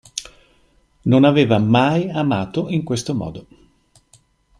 Non aveva mai amato in questo modo.